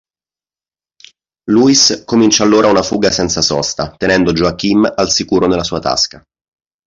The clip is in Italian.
Louis comincia allora una fuga senza sosta, tenendo Joachim al sicuro nella sua tasca.